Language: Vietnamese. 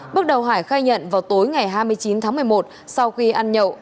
bước đầu hải khai nhận vào tối ngày hai mươi chín tháng một mươi một sau khi ăn nhậu